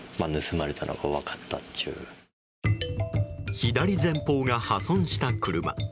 左前方が破損した車。